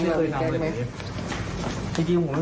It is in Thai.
จนทำให้มีหลักฐานค่ะมีทั้งภาพวงจรปิดมีพยานบุคคล